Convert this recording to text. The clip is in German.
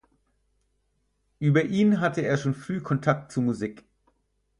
Über ihn hatte er schon früh Kontakt zu Musik.